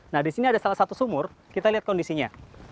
nah disini ada salah satu sumur kita lihat kondisinya